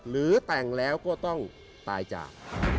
หรือแต่งแล้วก็ต้องตายจาก